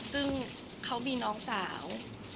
ซึ่งเขามีน้องสาว